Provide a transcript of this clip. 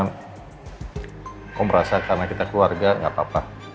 kamu merasa karena kita keluarga gak apa apa